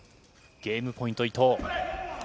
ゲームポイント、伊藤。